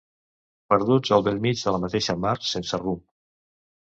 Perduts al bell mig de la mateixa mar, sense rumb.